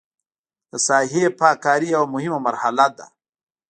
د ساحې پاک کاري یوه مهمه مرحله ده